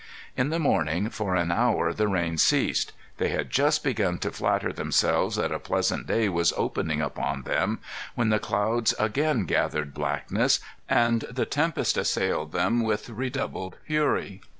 In the morning, for an hour the rain ceased. They had just begun to flatter themselves that a pleasant day was opening upon them, when the clouds again gathered blackness, and the tempest assailed them with redoubled fury.